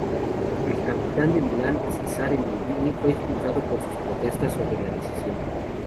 El capitán del Milan, Cesare Maldini, fue expulsado por sus protestas sobre la decisión.